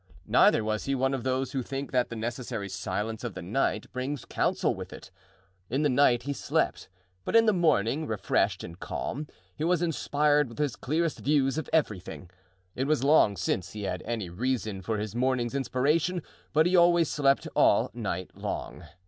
Neither was he one of those who think that the necessary silence of the night brings counsel with it. In the night he slept, but in the morning, refreshed and calm, he was inspired with his clearest views of everything. It was long since he had any reason for his morning's inspiration, but he always slept all night long.